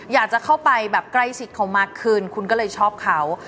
อยากจะเข้าไปแบบใกล้ชิดเขามากขึ้นคุณก็เลยชอบเขา